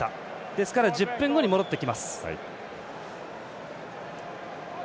ですから１０分後に戻ってきます。